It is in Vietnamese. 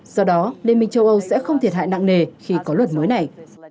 do đó liên minh châu âu sẽ không thiệt hại nặng nề khi có luật mới này